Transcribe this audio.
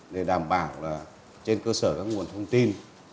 để đảm bảo là trên cơ sở các nguồn thông tin